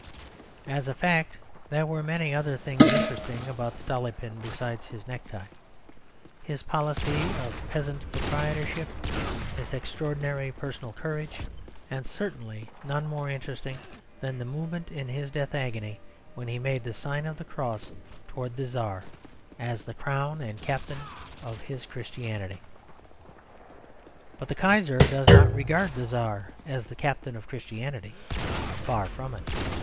As a fact, there were many other things interesting about Stolypin besides his necktie: his policy of peasant proprietorship, his extraordinary personal courage, and certainly none more interesting than that movement in his death agony, when he made the sign of the cross towards the Czar, as the crown and captain of his Christianity. But the Kaiser does not regard the Czar as the captain of Christianity. Far from it.